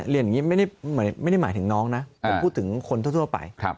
อย่างนี้ไม่ได้หมายถึงน้องนะผมพูดถึงคนทั่วไป